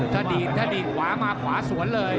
ถ้าดีขวามาขวาสวนเลย